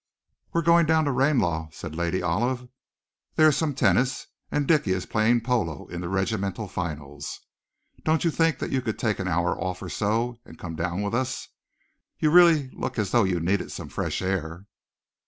"We are going down to Ranelagh," said Lady Olive. "There is some tennis, and Dicky is playing polo in the regimental finals. Don't you think that you could take an hour or so off, and come down with us? You really look as though you needed some fresh air."